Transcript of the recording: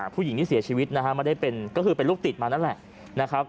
ผู้หญิงที่เสียชีวิตนะฮะไม่ได้เป็นก็คือเป็นลูกติดมานั่นแหละนะครับ